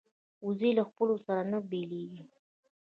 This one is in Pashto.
وزې له خپلو سره نه بیلېږي